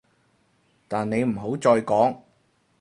但你唔好再講